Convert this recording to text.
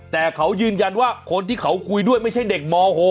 แต่เขายืนยันว่าคนที่เขาคุยด้วยไม่ใช่เด็กม๖